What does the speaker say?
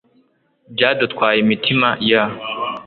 Byadutwaye imitima year